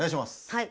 はい。